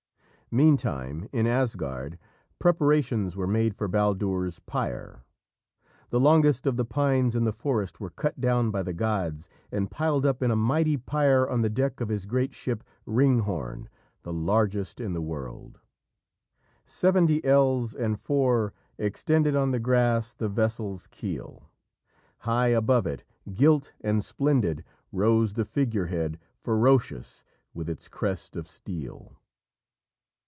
Meantime, in Asgard, preparations were made for Baldur's pyre. The longest of the pines in the forest were cut down by the gods, and piled up in a mighty pyre on the deck of his great ship Ringhorn, the largest in the world. [Illustration: "BALDUR THE BEAUTIFUL IS DEAD"] "Seventy ells and four extended On the grass the vessel's keel; High above it, gilt and splendid, Rose the figure head ferocious With its crest of steel."